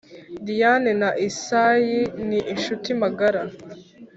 Diane na isayi ni inshuti magara